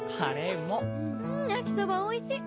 焼きそばおいしい。